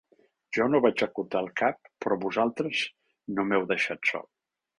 Jo no vaig acotar el cap però vosaltres no m'heu deixat sol.